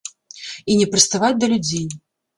І не прыставаць да людзей.